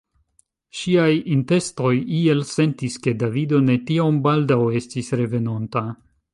Ŝiaj intestoj iel sentis, ke Davido ne tiom baldaŭ estis revenonta.